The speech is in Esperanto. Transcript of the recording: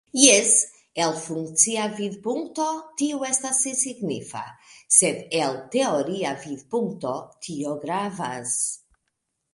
Jes, el funkcia vidpunkto tio estas sensignifa, sed el teoria vidpunkto tio gravas.